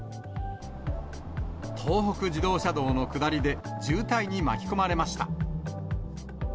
東北自動車道の下りで、渋滞に巻き込まれました。